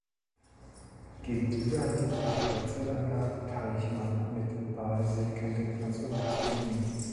Gegenüber liegt die "Freizeitanlage Teichmann" mit Badesee, Campingplatz und Gastronomie.